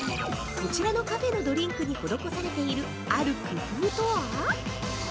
こちらのカフェのドリンクに施されている「ある工夫」とは？